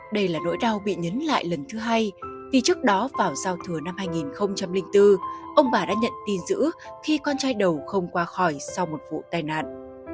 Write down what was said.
đây là nỗi đau bị nhấn lại lần thứ hai vì trước đó vào giao thừa năm hai nghìn bốn ông bà đã nhận tin giữ khi con trai đầu không qua khỏi sau một vụ tai nạn